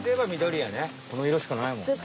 この色しかないもんね。